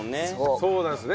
そうなんですね。